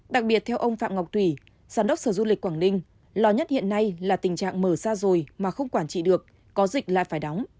đặc biệt theo ông phạm ngọc thủy giám đốc sở du lịch quảng ninh lo nhất hiện nay là tình trạng mở ra rồi mà không quản trị được có dịch lại phải đóng